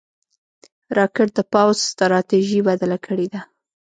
راکټ د پوځ ستراتیژي بدله کړې ده